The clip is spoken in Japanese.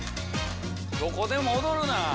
どこでも踊るな。